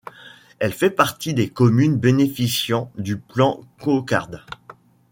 Elle fait partie des communes bénéficiant du plan Cocarde.